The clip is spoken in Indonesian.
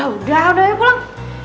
udah ya pulang